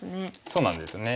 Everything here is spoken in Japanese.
そうなんですね。